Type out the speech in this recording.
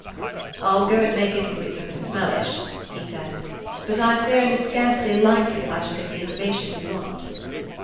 "I'll go and make inquiries of Mrs. Mellish," he said; "but I fear it is scarcely likely that I shall get the information you want."